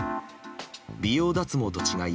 美容脱毛と違い